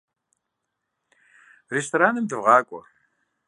Рестораным дывгъакӏуэ.